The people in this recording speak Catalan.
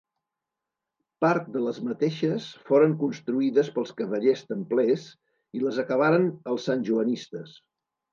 Part de les mateixes foren construïdes pels cavallers templers i les acabaren els Santjoanistes.